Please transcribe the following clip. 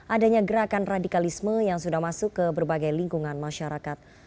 adanya gerakan radikalisme yang sudah masuk ke berbagai lingkungan masyarakat